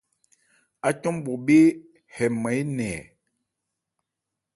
Ácɔn bhɔbhé hɛ nman énɛn ɛ̀ ?